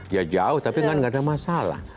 ya jauh tapi nggak ada masalah